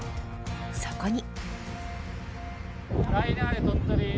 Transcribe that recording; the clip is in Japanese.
そこに。